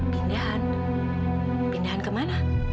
pindahan pindahan kemana